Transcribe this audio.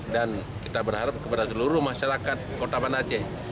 dan kita berharap kepada seluruh masyarakat kota banda aceh